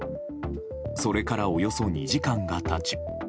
それからおよそ２時間が経ち